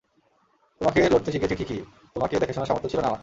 তোমাকে লড়তে শিখিয়েছি ঠিকই, তোমাকে দেখাশোনার সামর্থ্য ছিল না আমার।